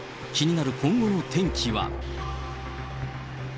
気になる今後の天気は。